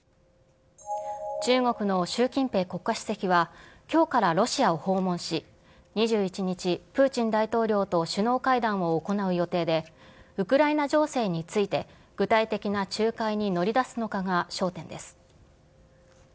中国の習近平国家主席はきょうからロシアを訪問し、２１日、プーチン大統領と首脳会談を行う予定で、ウクライナ情勢について、具体的な仲介に乗り出すのかが焦点です。